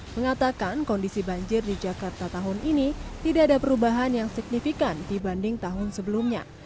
mengatakan kondisi banjir di jakarta tahun ini tidak ada perubahan yang signifikan dibanding tahun sebelumnya